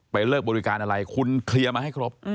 เลิกบริการอะไรคุณเคลียร์มาให้ครบ